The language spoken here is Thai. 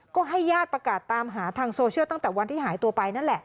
ก็ให้ญาติประกาศตามหาทางโซเชียลตั้งแต่วันที่หายตัวไปนั่นแหละ